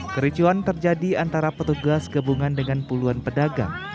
kericuan terjadi antara petugas gabungan dengan puluhan pedagang